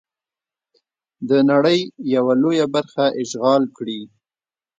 د نړۍ یوه لویه برخه اشغال کړي.